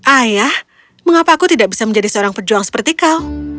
ayah mengapa aku tidak bisa menjadi seorang pejuang seperti kau